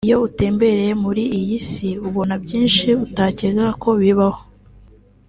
Iyo utembereye muri iyi si ubona byinshi utakekaga ko bibaho